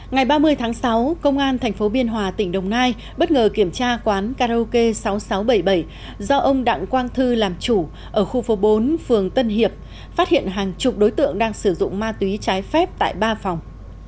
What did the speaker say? ngày ba mươi tháng sáu công an tp biên hòa tỉnh đồng nai bất ngờ kiểm tra quán karaoke sáu nghìn sáu trăm bảy mươi bảy do ông đặng quang thư làm chủ ở khu phố bốn phường tân hiệp phát hiện hàng chục đối tượng đang sử dụng ma túy trái phép tại ba phòng